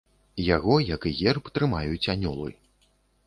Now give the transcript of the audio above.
Яго, як і герб, трымаюць анёлы.